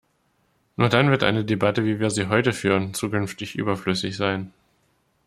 Nur dann wird eine Debatte, wie wir sie heute führen, zukünftig überflüssig sein.